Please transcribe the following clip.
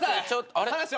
あれ？